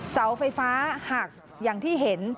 เสาไฟฟ้าหักอย่างที่เห็น